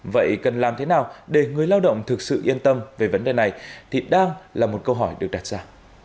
vậy cần làm thế nào để người lao động thực sự yên tâm về vấn đề này thì đang là một câu hỏi được đặt ra